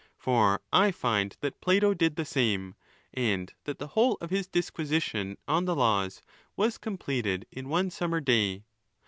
For I find that Plato did the same, and that the whole of his disquisition on the laws was completed in one summer day.